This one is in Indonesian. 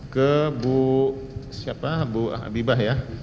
ke bu siapa bu habibah ya